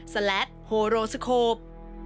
สลัดโฮโรสโคป